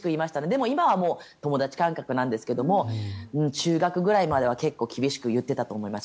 でも今は友達感覚なんですが中学ぐらいまでは結構厳しく言っていたと思います。